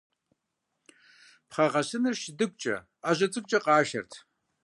Пхъэгъэсыныр шыдыгукӀэ, Ӏэжьэ цӀыкӀукӀэ къатшэрт.